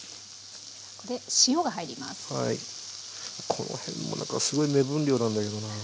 この辺も何かすごい目分量なんだけどな。